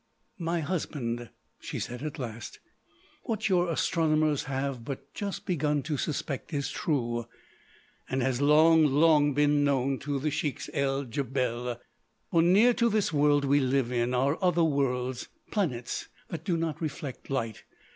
"My husband," she said at last, "what your astronomers have but just begun to suspect is true, and has long, long been known to the Sheiks el Djebel. "For, near to this world we live in, are other worlds—planets that do not reflect light.